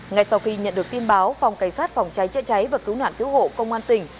ngay sau khi nhận được tin báo phòng cảnh sát phòng cháy chữa cháy và cứu nạn cứu hộ công an tỉnh